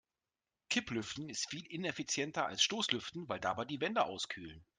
Kipplüften ist viel ineffizienter als Stoßlüften, weil dabei die Wände auskühlen.